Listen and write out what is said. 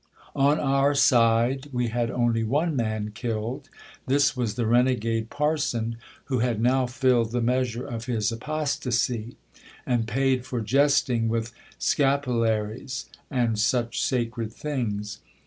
On our side, we had only one man killed. This was the renegade parson, who had now filled the measure of his apostasy, and paid for jesting with scapularies and such sacred things.